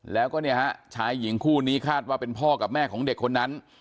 แล้วก็เนี่ยฮะชายหญิงคู่นี้คาดว่าเป็นพ่อกับแม่ของเด็กคนนั้น